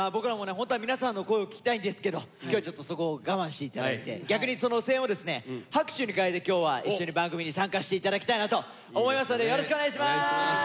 ホントは皆さんの声を聞きたいんですけど今日はちょっとそこを我慢して頂いて逆にその声援をですね拍手に代えて今日は一緒に番組に参加して頂きたいなと思いますのでよろしくお願いします！